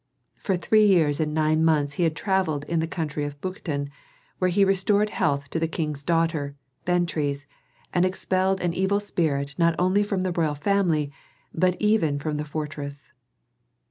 For three years and nine months he had travelled in the country of Buchten, where he restored health to the king's daughter, Bentres, and expelled an evil spirit not only from the royal family, but even from the fortress.